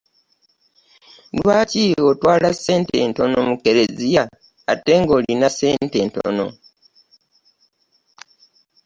Lwaki otwala ssente ntono mu kereziya ate nga olina ssente ntono?